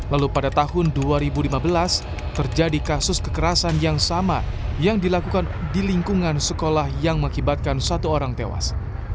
lalu pada tahun dua ribu lima belas terjadi kasus kekerasan yang sama yang dilakukan di lingkungan sekolah yang mengakibatkan satu orang tewas